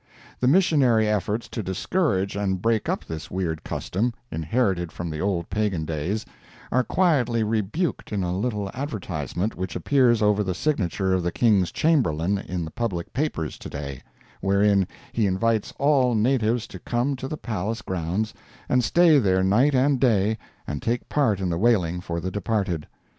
The missionary efforts to discourage and break up this weird custom, inherited from the old pagan days, are quietly rebuked in a little advertisement which appears over the signature of the King's Chamberlain in the public papers to day, wherein he invites all natives to come to the palace grounds and stay there night and day and take part in the wailing for the departed.